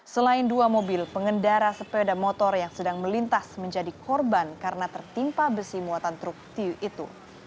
selain dua mobil pengendara sepeda motor yang sedang melintas menjadi korban karena tertimpa besi muatan truk tiu itu